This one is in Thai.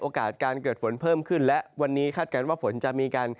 การเกิดฝนเพิ่มขึ้นและวันนี้คาดการณ์ว่าฝนจะมีการ